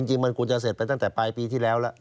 จริงมันควรจะเสร็จไปตั้งแต่ปลายปีที่แล้วแล้ว